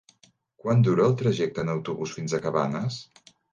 Quant dura el trajecte en autobús fins a Cabanes?